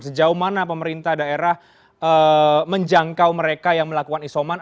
sejauh mana pemerintah daerah menjangkau mereka yang melakukan isoman